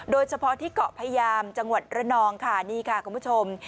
โดยเฉพาะที่เกาะพยามจังหวัดระนองค่ะนี่ค่ะคุณผู้ชม